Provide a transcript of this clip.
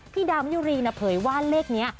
ดาวมะยุรีนะเผยว่าเลขนี้